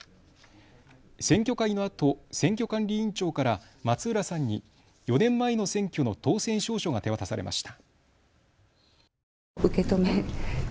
選挙会のあと選挙管理委員長から松浦さんに４年前の選挙の当選証書が手渡されました。